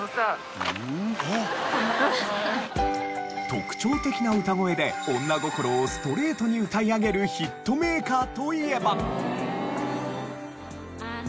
特徴的な歌声で女心をストレートに歌い上げるヒットメーカーといえば。